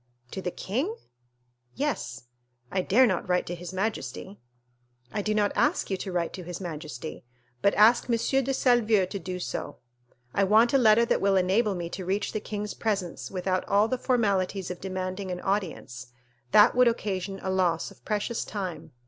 "To the king?" "Yes." "I dare not write to his majesty." "I do not ask you to write to his majesty, but ask M. de Salvieux to do so. I want a letter that will enable me to reach the king's presence without all the formalities of demanding an audience; that would occasion a loss of precious time."